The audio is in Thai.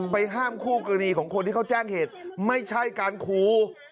ห้ามคู่กรณีของคนที่เขาแจ้งเหตุไม่ใช่การคู